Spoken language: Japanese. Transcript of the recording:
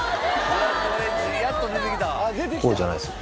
こうじゃないです